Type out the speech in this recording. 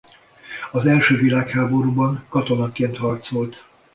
Az első világháborúban katonaként harcolt.